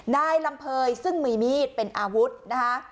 นายลำเภยซึ่งมีมีดเป็นอาวุธนะคะ